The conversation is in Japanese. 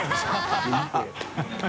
ハハハ